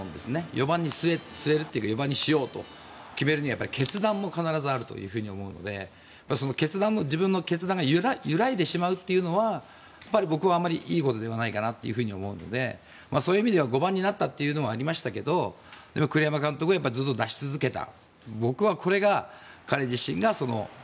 ４番に据えるというか４番にしようと決めるには決断も必ずあると思うのでその決断の、自分の決断が揺らいでしまうというのは僕はあまりいいことではないかなと思うのでそういう意味では５番になったというのはありましたが栗山監督もずっと出し続けた。